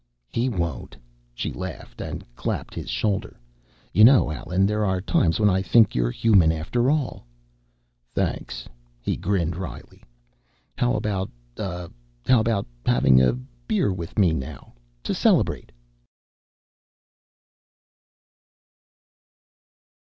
"He won't." She laughed and clapped his shoulder. "You know, Allen, there are times when I think you're human after all." "Thanks," he grinned wryly. "How about uh how about having a a b beer with me now? To celebrate."